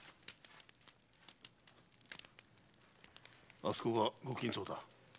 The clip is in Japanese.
あそこがご金蔵だ。